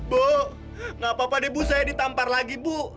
bu nggak apa apa deh bu saya ditampar lagi bu